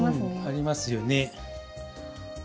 ありますよね。